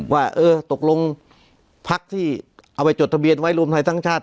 ว่าเออตกลงพักที่เอาไปจดทะเบียนไว้รวมไทยสร้างชาติ